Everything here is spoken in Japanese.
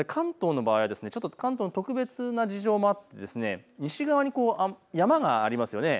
ただ関東の場合は関東の特別な事情もあって西側に山がありますよね。